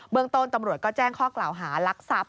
เมืองต้นตำรวจก็แจ้งข้อกล่าวหารักทรัพย์